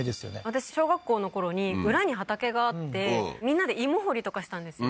私小学校のころに裏に畑があってみんなで芋掘りとかしたんですよ